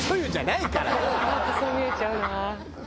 なんかそう見えちゃうな。